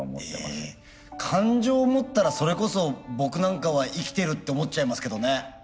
感情を持ったらそれこそ僕なんかは生きてるって思っちゃいますけどね。